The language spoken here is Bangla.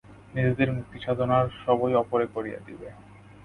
নিজেদের মুক্তিসাধনার সবই অপরে করিয়া দিবে।